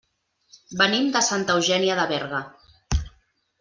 Venim de Santa Eugènia de Berga.